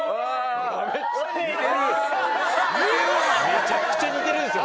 めちゃくちゃ似てるんですよ